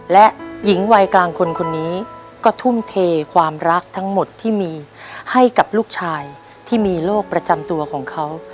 และหญิงวัยกลางคนคนนี้ก็ทุ่มเทความรักทั้งหมดที่มีให้กับลูกชายที่มีโรคประจำตัวของเขา